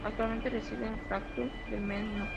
Actualmente reside en Fráncfort del Meno.